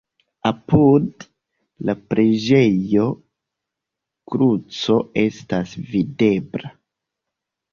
Apud la preĝejo kruco estas videbla.